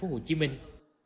hội nghị và triển lãm công nghệ